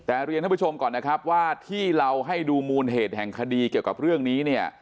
แต่เรียนท่านผู้ชมก่อนนะครับว่าที่เราให้ดูมูลเหตุแห่งคดีเกี่ยวกับเรื่องนี้เนี่ย